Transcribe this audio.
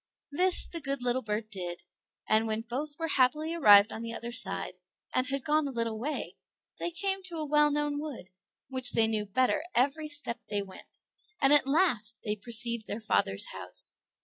This the good little bird did, and when both were happily arrived on the other side, and had gone a little way, they came to a well known wood, which they knew the better every step they went, and at last they perceived their father's house.